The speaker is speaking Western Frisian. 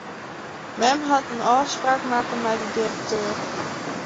Mem hat in ôfspraak makke mei de direkteur.